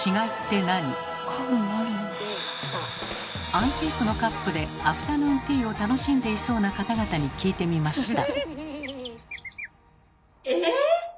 アンティークのカップでアフターヌーンティーを楽しんでいそうな方々に聞いてみました。